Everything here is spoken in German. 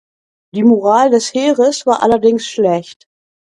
Die Moral des Heeres war allerdings schlecht.